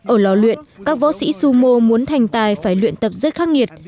ở lò luyện các võ sĩ sumo muốn thành tài phải luyện tập rất khắc nghiệt